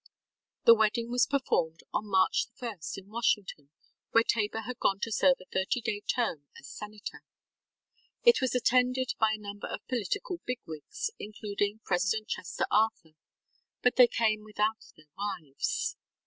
The wedding was performed on March 1 in Washington where Tabor had gone to serve a thirty day term as senator. It was attended by a number of political big wigs, including President Chester Arthur; but they came without their wives.